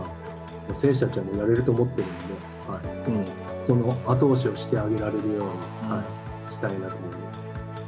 選手たちはやれると思っているのでその後押しをしてあげられるようにしたいなと思います。